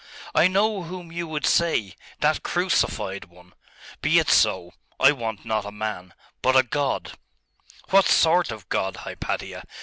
'I know whom you would say.... that crucified one. Be it so. I want not a man, but a god.' 'What sort of a god, Hypatia?